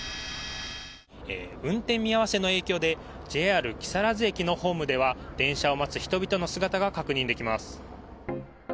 運転見合わせの影響でＪＲ木更津駅のホームでは電車を待つ人々の姿が確認できます。